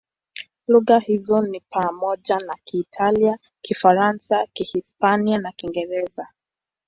Lugha hizo ni pamoja na Kiitalia, Kifaransa, Kihispania na Kiingereza.